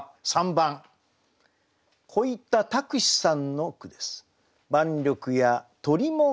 ３番小板卓史さんの句です。